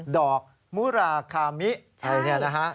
ดอกมุราคามิใช่แบบนี้นะฮะ